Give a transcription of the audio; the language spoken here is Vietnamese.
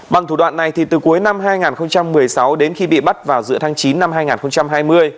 bằng thủ đoạn này thì từ cuối năm hai nghìn một mươi sáu đến khi bị bắt vào giữa tháng chín năm hai nghìn hai mươi